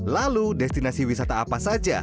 lalu destinasi wisata apa saja